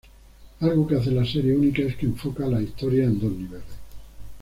Algo que hace la serie única es que enfocaba las historias en dos niveles.